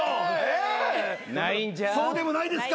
そうでもないですか。